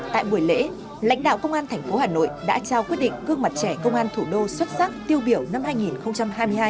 tại buổi lễ lãnh đạo công an tp hà nội đã trao quyết định gương mặt trẻ công an thủ đô xuất sắc tiêu biểu năm hai nghìn hai mươi hai